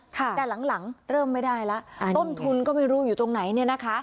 แต่หลังเริ่มไม่ได้แล้วต้นทุนก็ไม่รู้อยู่ตรงไหนเนี่ยนะคะ